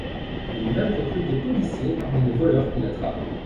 Lui-même recrute des policiers parmi des voleurs qu'il attrape.